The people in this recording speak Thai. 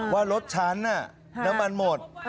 ว่ารถฉันน้ำมันหมด